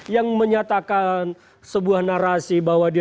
yang menyatakan sebuah narasi bahwa dia